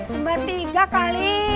kembar tiga kali